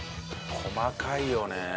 細かいよね。